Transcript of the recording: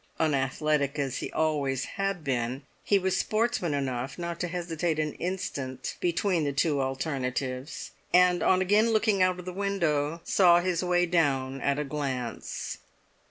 Unathletic as he always had been, he was sportsman enough not to hesitate an instant between the two alternatives; and on again looking out of the window, saw his way down at a glance.